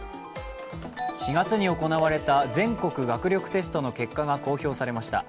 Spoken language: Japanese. ４月に行われた全国学力テストの結果が公表されました。